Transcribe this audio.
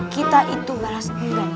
kita itu berhasil